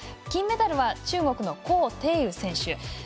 金メダルは中国の高亭宇選手。